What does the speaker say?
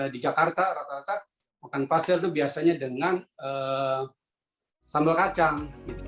di jakarta rata rata makan pasir itu biasanya dengan sambal kacang